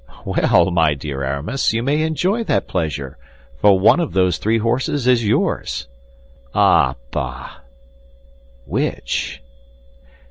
"Well, my dear Aramis, you may enjoy that pleasure, for one of those three horses is yours." "Ah, bah! Which?"